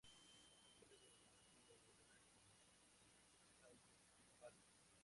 Comenzó jugando al baloncesto en las filas de La Salle Palma.